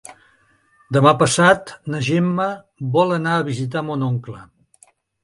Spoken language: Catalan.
Demà passat na Gemma vol anar a visitar mon oncle.